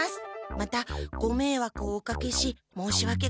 またごめいわくをおかけし申しわけございません。